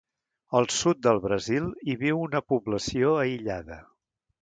Al sud del Brasil hi viu una població aïllada.